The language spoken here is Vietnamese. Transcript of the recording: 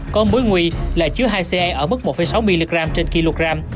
còn mối nguy là chứa hai ce ở mức một sáu mg trên một kg